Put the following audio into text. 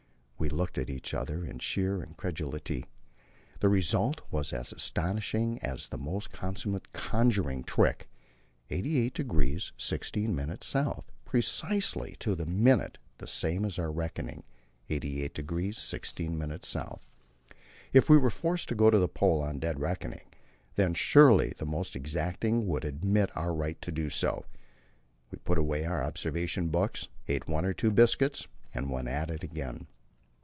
We looked at each other in sheer incredulity: the result was as astonishing as the most consummate conjuring trick 88° 16' S., precisely to a minute the same as our reckoning, 88° 16' S. If we were forced to go to the Pole on dead reckoning, then surely the most exacting would admit our right to do so. We put away our observation books, ate one or two biscuits, and went at it again.